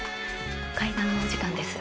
会談のお時間です。